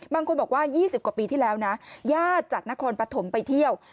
บางคนบอกว่า๒๐กว่าปีที่แล้วนะญาติจากนครปฐมไปเที่ยว